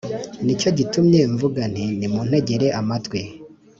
Ni cyo gitumye mvuga nti Nimuntegere amatwi